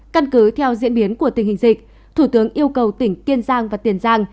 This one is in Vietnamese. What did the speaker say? căn cứ theo diễn biến của tình hình dịch thủ tướng yêu cầu tỉnh kiên giang và tiền giang